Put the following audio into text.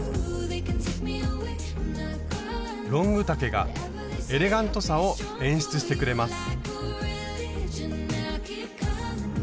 ロング丈がエレガントさを演出してくれます。